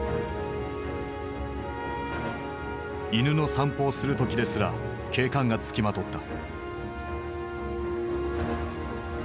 犬の散歩をする時ですら警官が付きまとった。